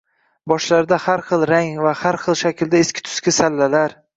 Boshlarida har xil rang va har xil shaklda eski-tuski sallalar